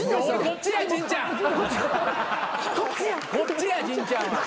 こっちや陣ちゃんは。